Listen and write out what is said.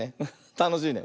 たのしいね。